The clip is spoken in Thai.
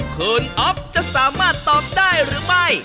คุณอ๊อฟจะสามารถตอบได้หรือไม่